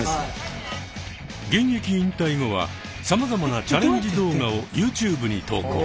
現役引退後はさまざまなチャレンジ動画をユーチューブに投稿。